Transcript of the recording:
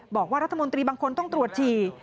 บอกว่ารัฐมนตรีบางคนต้องตรวจฉี่